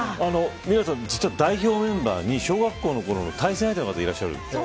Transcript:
実は代表メンバーに小学校のころの対戦相手がいらっしゃるんですね。